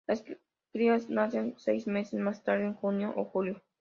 Las crías nacen seis meses más tarde, en junio o julio.